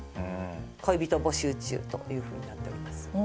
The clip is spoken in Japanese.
恋人募集中というふうになっております。